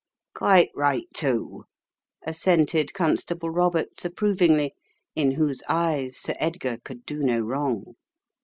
"Quite right, too," assented Constable Roberts approvingly, in whose eyes Sir Edgar could do no wrong.